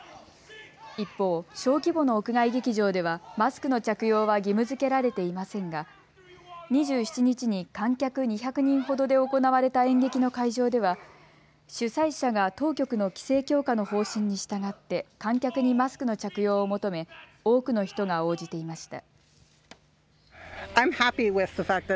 一方、小規模の屋外劇場ではマスクの着用は義務づけられていませんが２７日に観客２００人ほどで行われた演劇の会場では主催者が当局の規制強化の方針に従って観客にマスクの着用を求め、多くの人が応じていました。